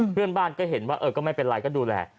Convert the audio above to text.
เพื่อนบ้านก็เห็นว่าเออก็ไม่เป็นไรก็ดูแล